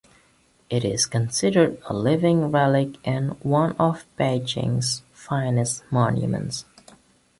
It is considered a living relic and one of Beijing's finest monuments.